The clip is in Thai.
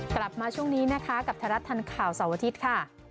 กลับมาช่วงนี้นะคะกับทหรัฐธัณฑ์ข่าวสวทิศค่ะ